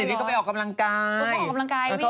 นี่ไงเค้าให้ไง